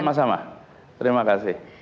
sama sama terima kasih